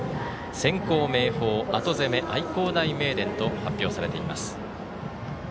先攻、明豊後攻め、愛工大名電と発表されています。